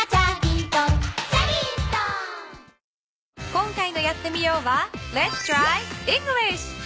今回の「やってみよう！」は。